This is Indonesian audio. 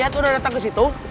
dia sudah datang ke situ